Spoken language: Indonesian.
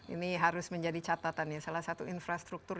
ini harus menjadi catatan ya salah satu infrastruktur